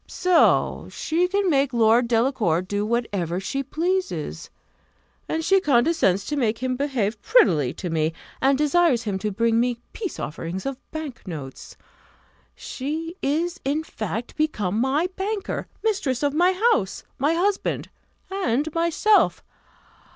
So, she can make Lord Delacour do whatever she pleases; and she condescends to make him behave prettily to me, and desires him to bring me peace offerings of bank notes! She is, in fact, become my banker; mistress of my house, my husband, and myself!